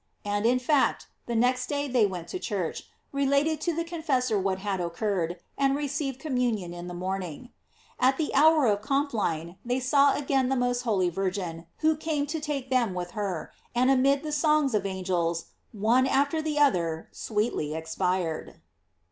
And, in fact, the next day they went to church, related to the confessor what had occurred, and received com munion in the morning. At the hour of complin they saw again the most holy Virgin, who came to take them with her, and amid the songs of * Ap. Crass, to. a, tr. 6, p. 1. 694 GLOKIES OF MAKY. angels, one after the other sweetly expired.